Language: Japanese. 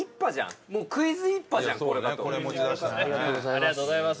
ありがとうございます。